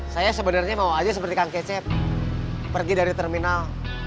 saya sebenarnya mau aja seperti kang kece pergi dari terminal